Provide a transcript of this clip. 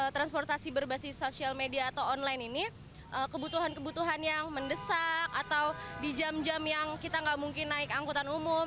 transportasi berbasis sosial media atau online ini kebutuhan kebutuhan yang mendesak atau di jam jam yang kita nggak mungkin naik angkutan umum